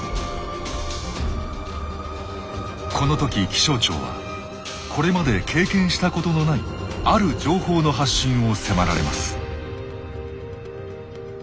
この時気象庁はこれまで経験したことのないある情報の発信を迫られます。